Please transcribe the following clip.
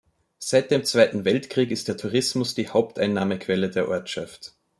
Seit dem Zweiten Weltkrieg ist der Tourismus die Haupteinnahmequelle der Ortschaft.